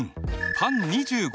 パン２５人。